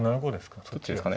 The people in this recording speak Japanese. どっちですかね